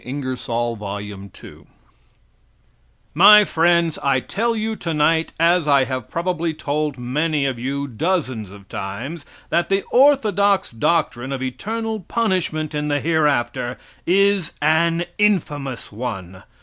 Ingersoll's Lecture on Hereafter My Friends: I tell you tonight, as I have probably told many of you dozens of times, that the orthodox doctrine of eternal punishment in the hereafter is an infamous one!